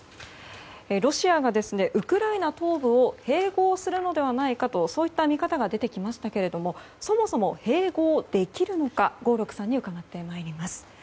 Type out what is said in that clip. ロシアがウクライナ東部を併合するのではないかとそういった見方が出てきましたけれどそもそも併合できるのか合六さんに伺ってまいります。